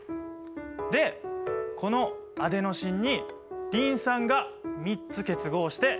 でこのアデノシンにリン酸が３つ結合しています。